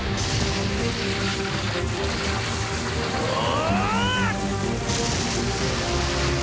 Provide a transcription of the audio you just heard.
お‼